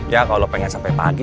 ya kalau pengen sampai pagi